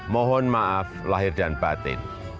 mohon maaf lahir dan batin